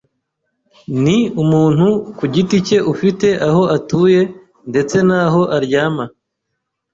Ni umuntu ku giti cye ufite aho atuye ndetse n’aho aryama